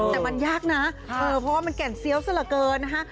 แต่มันยากนะเพราะว่ามันแก่นเซียวซะละเกินนะคะ